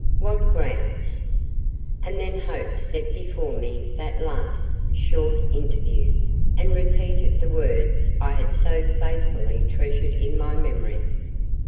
"What grounds?"—and then Hope set before me that last, short interview, and repeated the words I had so faithfully treasured in my memory.